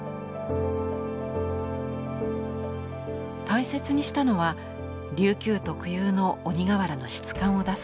大切にしたのは琉球特有の鬼瓦の質感を出すこと。